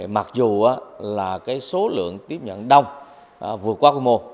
mặc dù số lượng tiếp nhận đông vượt qua khuôn mô